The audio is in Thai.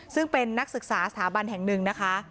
ซึ่งเป็นนักศึกษาสถาบันแห่งหนึ่งนะคะ